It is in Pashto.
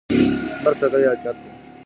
مرګ ټاکلی حقیقت دی.